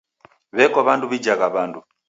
Weko W'andu wijha W'andu.